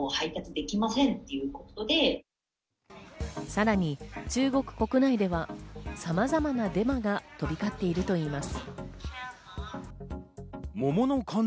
さらに中国国内では様々なデマが飛び交っているといいます。